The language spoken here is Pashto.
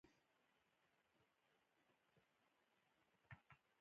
کتاب موږ ته د ژوند کولو لاري او چاري راښیي.